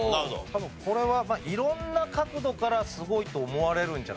多分これは色んな角度からすごいと思われるんじゃないかなっていう。